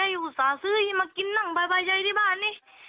อยู่สาเสือไม้ตายมากินนั่งไปไปยัยที่บ้าน